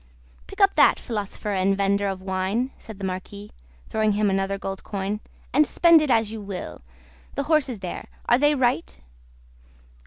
"Pick up that, philosopher and vendor of wine," said the Marquis, throwing him another gold coin, "and spend it as you will. The horses there; are they right?"